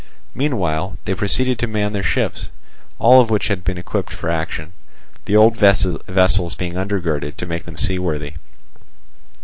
Meanwhile they proceeded to man their ships, all of which had been equipped for action, the old vessels being undergirded to make them seaworthy.